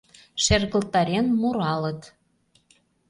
Шергылтарен муралыт.